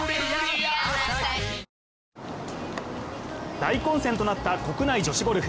大混戦となった国内女子ゴルフ。